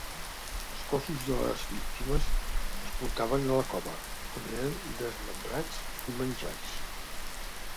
Els cossos de les víctimes es portaven a la cova, on eren desmembrats i menjats.